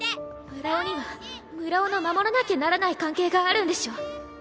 村尾には村尾の守らなきゃならない関係があるんでしょ？